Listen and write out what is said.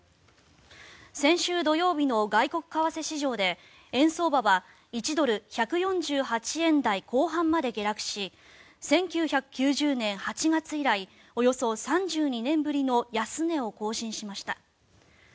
先週土曜日の外国為替市場で円相場は１ドル＝１４８円台後半まで下落し１９９０年８月以来およそ３２年ぶりの安値を更新しました。